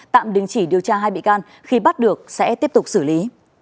tạm đình chỉ điều tra hai bị can khi bắt được sẽ tiếp tục xử lý